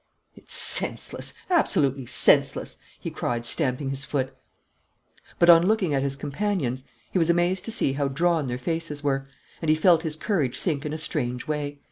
"It's senseless, absolutely senseless!" he cried, stamping his foot. But, on looking at his companions, he was amazed to see how drawn their faces were; and he felt his courage sink in a strange way.